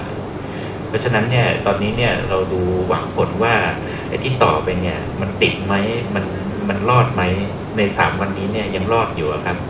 เพราะฉะนั้นเนี่ยตอนนี้เนี่ยเราดูหวังผลว่าไอ้ที่ต่อไปเนี่ยมันติดไหมมันรอดไหมใน๓วันนี้เนี่ยยังรอดอยู่อะครับ